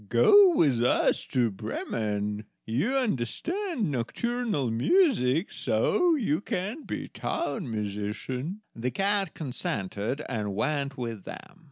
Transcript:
"Go with us to Bremen. You understand nocturnal music, so you can be town musician." The cat consented, and went with them.